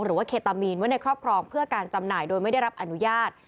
เคตามีนไว้ในครอบครองเพื่อการจำหน่ายโดยไม่ได้รับอนุญาต